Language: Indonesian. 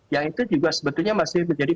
yang itu juga sebetulnya masih menjadi